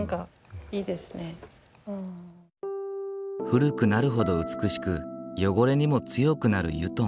古くなるほど美しく汚れにも強くなる油団。